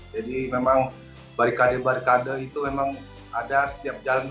memang barikade barikade itu memang ada setiap jalan